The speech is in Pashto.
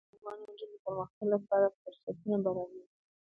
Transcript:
یاقوت د افغان نجونو د پرمختګ لپاره فرصتونه برابروي.